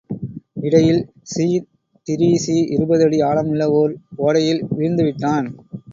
இடையில் ஸீன் டிரீஸீ இருபதடி ஆழமுள்ள ஓர் ஓடையில் வீழ்ந்துவிட்டான்.